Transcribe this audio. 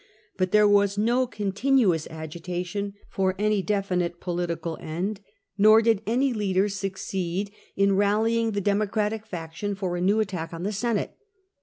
But there was no continuous agitation for any definite political end, nor did any leader succeed 92 FROM THE GRACCHI TO SULLA in rallying the Democratic faction for a new attack on the Senate.